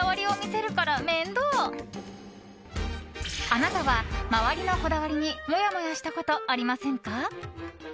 あなたは周りのこだわりにもやもやしたことありませんか？